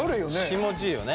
気持ちいいよね。